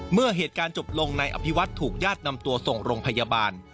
เมื่อเหตุการณ์จบลงนายอภิวัตถูกญาตินำตัวส่งโรงพยาบาล